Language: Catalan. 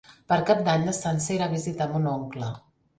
Per Cap d'Any na Sança irà a visitar mon oncle.